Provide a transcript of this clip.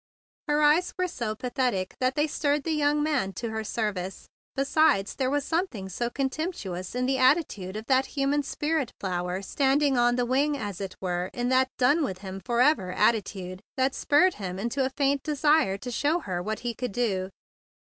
Her eyes were so pathetic that they stirred the young man to her service. Besides, there was something so con¬ temptuous in the attitude of that hu¬ man spirit flower standing on the wing THE BIG BLUE SOLDIER 63 as it were in that done with him for ever attitude that spurred him into a faint desire to show her what he could do.